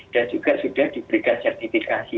dan juga sudah diberikan sertifikasi